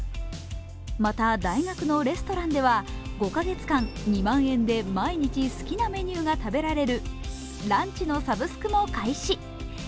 また、大学のレストランでは５カ月間、２万円で毎日好きなメニューが食べられるランチのサブスクも開始。